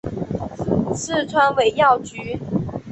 四川尾药菊